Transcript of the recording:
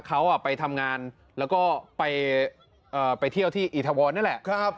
เขาไปทำงานแล้วก็ไปเที่ยวที่อีทวรนั่นแหละ